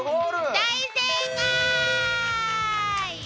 大正解！